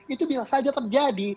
itu bisa saja terjadi